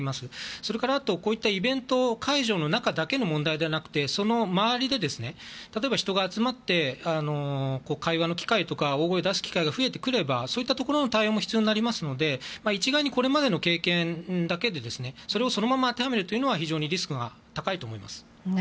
それから、あとはこうしたイベント会場の中だけの問題ではなくその周りで例えば人が集まって会話の機会や大声を出す機会が増えてくればそういったところへの対応も必要になりますので一概に、これまでの経験だけでそれをそのまま当てはめるのは非常にリスクが高いと思います。